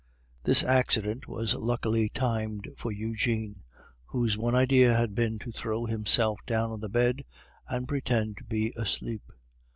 This accident was luckily timed for Eugene, whose one idea had been to throw himself down on the bed and pretend to be asleep.